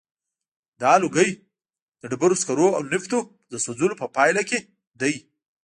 دا لوګی د ډبرو سکرو او نفتو د سوځولو په پایله کې دی.